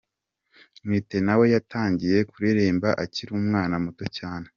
Mwitenawe yatangiye kuririmba akiri umwana muto cyane.